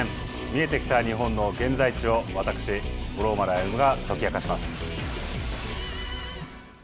見えてきた日本の現在地を私、五郎丸歩が解き明かします。